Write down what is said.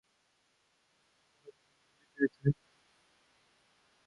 ارتش پدافند محلی بریتانیای کبیر